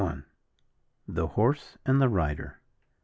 THE HORSE AND THE RIDER.